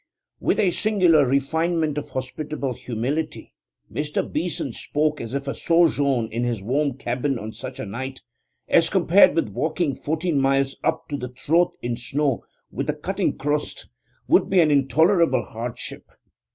With a singular refinement of hospitable humility Mr. Beeson spoke as if a sojourn in his warm cabin on such a night, as compared with walking fourteen miles up to the throat in snow with a cutting crust, would be an intolerable hardship.